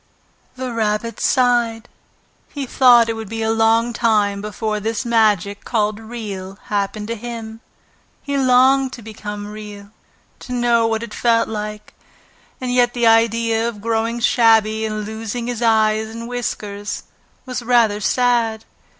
The Rabbit sighed. He thought it would be a long time before this magic called Real happened to him. He longed to become Real, to know what it felt like; and yet the idea of growing shabby and losing his eyes and whiskers was rather sad.